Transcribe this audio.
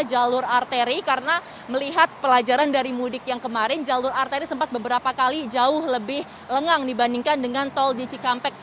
jalur arteri karena melihat pelajaran dari mudik yang kemarin jalur arteri sempat beberapa kali jauh lebih lengang dibandingkan dengan tol di cikampek